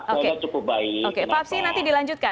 oke pak hapsi nanti dilanjutkan